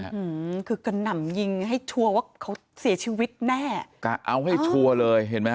นะคือกระหน่ำยิงให้ตัวว่าเค้าเสียชีวิตแน่เอาให้ตัวเลยเหมือนกัน